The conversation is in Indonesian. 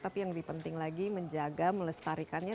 tapi yang lebih penting lagi menjaga melestarikannya